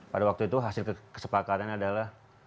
pada waktu itu hasil kesepakatannya adalah